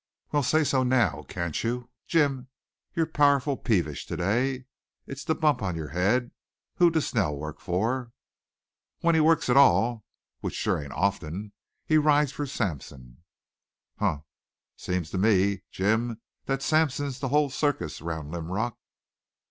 "Well, say so now, can't you? Jim, you're powerful peevish to day. It's the bump on your head. Who does Snell work for?" "When he works at all, which sure ain't often, he rides for Sampson." "Humph! Seems to me, Jim, that Sampson's the whole circus round Linrock.